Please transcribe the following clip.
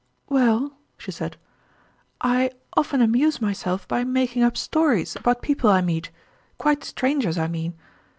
"Well," she said, "I often amuse myself by making up stories about people I meet quite strangers, I mean.